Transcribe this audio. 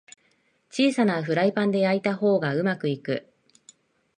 小さなフライパンで焼いた方がうまくいく